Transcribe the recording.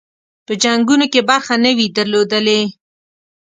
په جنګونو کې برخه نه وي درلودلې.